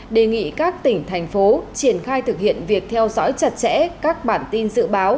đề nghị các tỉnh thành phố triển khai thực hiện việc theo dõi chặt chẽ các bản tin dự báo